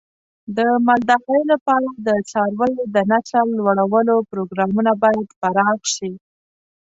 د مالدارۍ لپاره د څارویو د نسل لوړولو پروګرامونه باید پراخ شي.